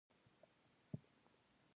هره جګړه د بدلون او بربادیو پوله ده.